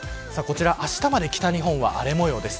あしたまで北日本は荒れ模様です。